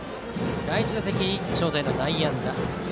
第１打席、ショートへの内野安打。